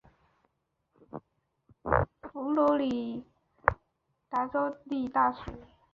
佛罗里达州立大学。